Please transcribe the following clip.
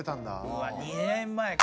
うわ２年前か。